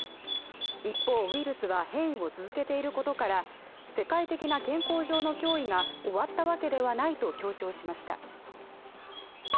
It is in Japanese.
一方、ウイルスは変異を続けていることから、世界的な健康上の脅威が終わったわけではないと強調しました。